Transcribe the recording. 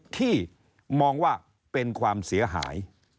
ที่มองว่าเป็นความเสียหาย